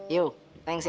yuk thanks ya